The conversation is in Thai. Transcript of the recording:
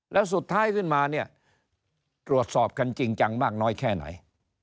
แล้วสุดท้ายขึ้นมาเนี่ยตรวจสอบกันจริงจังมากน้อยแค่ไหน